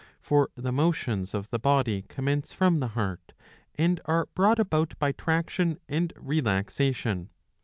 For the motions of the body commence from the heart, and are brought about by traction and relaxation.